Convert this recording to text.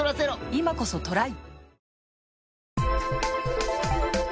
今こそトライ！